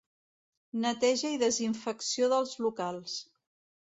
Neteja i desinfecció dels locals.